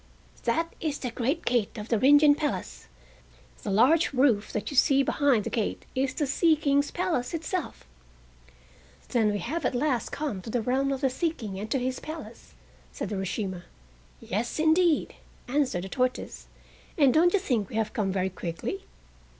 "That is the great gate of the Rin Gin Palace, the large roof that you see behind the gate is the Sea King's Palace itself." "Then we have at last come to the realm of the Sea King and to his Palace," said Urashima. "Yes, indeed," answered the tortoise, "and don't you think we have come very quickly?"